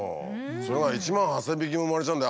それが１万８，０００匹も生まれちゃうんだよ